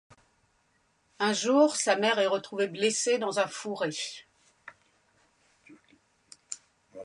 Un jour, sa mère est retrouvée blessée dans un fourré.